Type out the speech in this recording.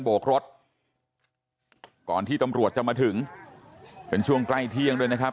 โกกรถก่อนที่ตำรวจจะมาถึงเป็นช่วงใกล้เที่ยงด้วยนะครับ